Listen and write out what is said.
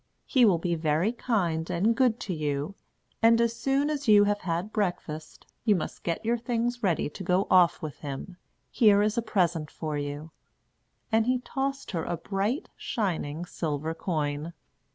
He will be very kind and good to you; and as soon as you have had breakfast, you must get your things ready to go off with him. Here is a present for you"; and he tossed her a bright, shining, silver coin.